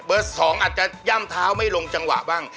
สองอาจจะย่ำเท้าไม่ลงจังหวะบ้าง